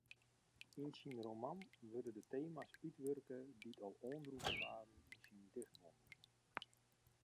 Yn syn roman wurde de tema's útwurke dy't al oandroegen waarden yn syn dichtbondel.